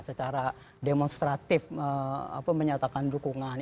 secara demonstratif menyatakan dukungan